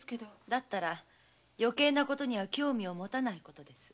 だったら余計な事に興味を持たない事です。